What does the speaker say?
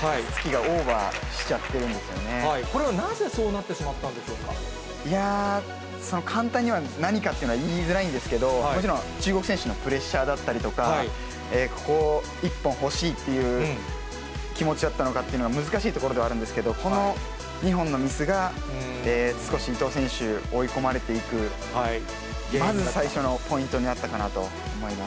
オーバーしちゃってるんですこれはなぜそうなってしまっいやぁ、その簡単には何かっていうのは言いづらいんですけれども、もちろん中国選手のプレッシャーだったりとか、ここ、１本欲しいっていう気持ちだったのかっていうのは、難しいところではあるんですけど、この２本のミスが、少し伊藤選手、追い込まれていくまず最初のポイントになったかなと思います。